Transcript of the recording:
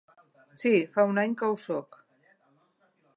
Sí, fa u any que ho soc.